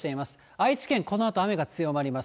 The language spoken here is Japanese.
愛知県、このあとあめが強まります。